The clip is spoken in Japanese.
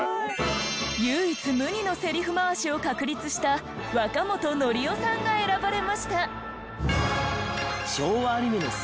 唯一無二のセリフ回しを確立した若本規夫さんが選ばれました。